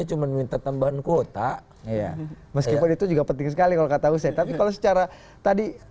mencoba mencoba mencoba meskipun itu juga penting sekali kalau katakan saya tapi kalau secara tadi